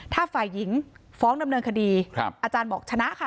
ถ้าฝ่ายหญิงฟ้องดำเนินคดีอาจารย์บอกชนะค่ะ